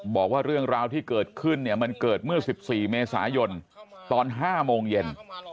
บอกว่าเรื่องราวที่เกิดขึ้นเนี่ยมันเกิดเมื่อ๑๔เมษายนตอน๕โมงเย็น